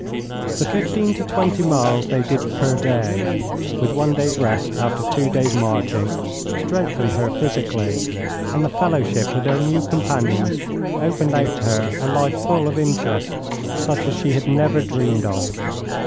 The fifteen to twenty miles they did per day, with one day's rest after two days' marching, strengthened her physically, and the fellowship with her new companions opened out to her a life full of interests such as she had never dreamed of.